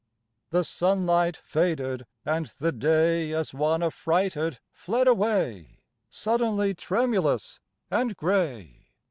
The sunlight faded, and the day As one affrighted fled away, Suddenly tremulous and gray.